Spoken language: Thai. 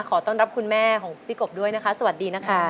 ขอต้อนรับคุณแม่ของพี่กบด้วยนะคะสวัสดีนะคะ